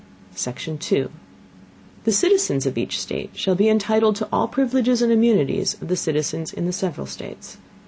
Section 2. The Citizens of each State shall be entitled to all Privileges and Immunities of Citizens in the several States.